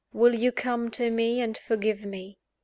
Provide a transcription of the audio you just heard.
Will you come to me and forgive me?"